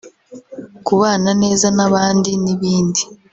kubana neza n'abandi n'ibindi